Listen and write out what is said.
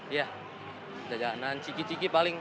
iya jajanan ciki ciki paling